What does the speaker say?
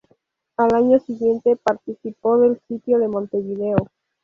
Al año siguiente, participó del Sitio de Montevideo.